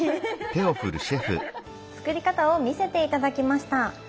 作り方を見せて頂きました。